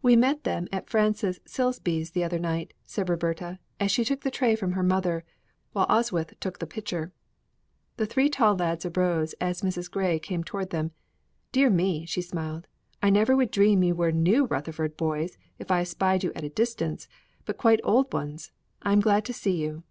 We met them at Frances Silsby's the other night," said Roberta, as she took the tray from her mother, while Oswyth took the pitcher. The three tall lads arose as Mrs. Grey came toward them. "Dear me!" she smiled. "I never would dream you were new Rutherford boys if I espied you at a distance, but quite old ones. I am glad to see you."